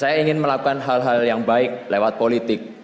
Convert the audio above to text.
saya ingin melakukan hal hal yang baik lewat politik